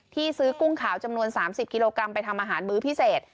ที่ซื้อกุ้งขาวจำนวน๓๐กิโลกรัมไปทำอาหารมื้อพิเศษ